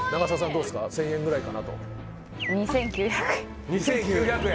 どうですか１０００円ぐらいかなと２９００円？